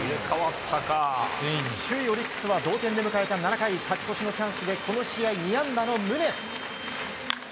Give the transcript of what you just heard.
首位オリックスは同点で迎えた７回勝ち越しのチャンスでこの試合２安打の宗。